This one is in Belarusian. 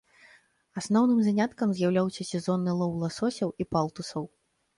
Асноўным заняткам з'яўляўся сезонны лоў ласосяў і палтусаў.